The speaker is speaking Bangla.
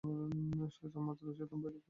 শয়তান মাত্রই শয়তান পয়দা করে।